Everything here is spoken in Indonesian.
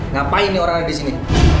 ngapain nih orang ada di sini